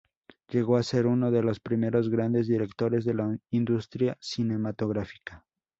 Llegó a ser uno de los primeros grandes directores de la industria cinematográfica.